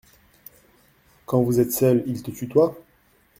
Quand vous êtes seuls, il te tutoie ?